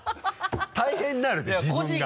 大変になるって自分が。